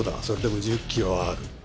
それでも１０ｋｇはある。